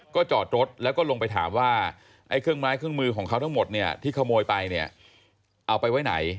ก็จอดรถแล้วก็ลงไปถามว่าเครื่องมือของเขาทั้งหมดที่เขาโมยไปเอาไปไหน